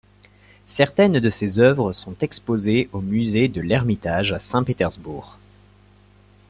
Certaines de ses œuvres sont exposées au Musée de l'Ermitage à Saint-Pétersbourg.